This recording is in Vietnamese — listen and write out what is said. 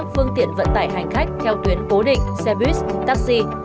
phương tiện vận tải hành khách theo tuyến cố định xe buýt taxi